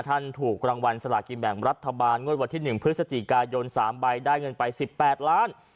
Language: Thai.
ท่านถูกรางวัลสลากินแบ่งรัฐบาลงวดวัตถิ่นหนึ่งพฤศจิกายนสามใบได้เงินไป๑๘ล้าน